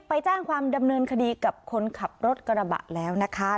ไปแจ้งความดำเนินคดีกับคนขับรถกระบะแล้วนะคะ